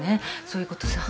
そういうことさ。